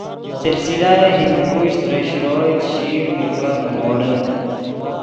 سلسلہ ہندوکش ترے شروئے، چیشیر ملکف نیغوڑے